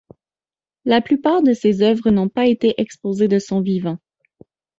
La plupart de ses œuvres n'ont pas été exposées de son vivant.